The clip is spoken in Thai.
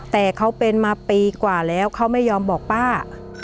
แต่เขาเป็นมาปีกว่าแล้วเขาไม่ยอมบอกป้า